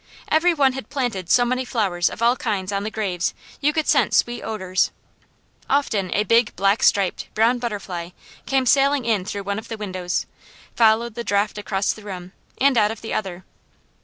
Every one had planted so many flowers of all kinds on the graves you could scent sweet odours. Often a big, black striped, brown butterfly came sailing in through one of the windows, followed the draft across the room, and out of another.